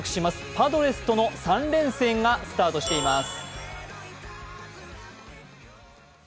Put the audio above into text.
パドレスとの３連戦がスタートしています。